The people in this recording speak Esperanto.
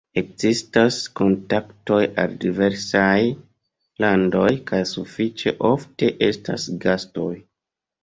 Ekzistas kontaktoj al diversaj landoj kaj sufiĉe ofte estas gastoj.